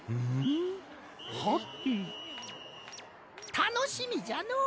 たのしみじゃのう。